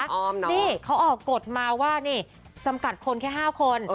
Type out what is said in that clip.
นี่เขาออกกฎมาว่านี่จำกัดคนแค่๕คน